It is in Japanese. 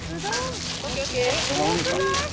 多くない？